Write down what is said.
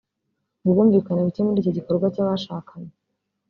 Ubwumvikane buke muri iki gikorwa cy’abashakanye